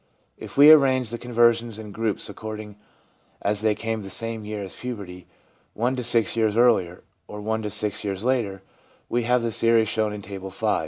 If we arrange the conversions in groups ac cording as they came the same year as puberty, one to six years earlier, or one to six years later, we have the series shown in Table V.